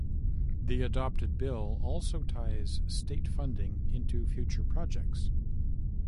The adopted bill also ties state funding into future projects.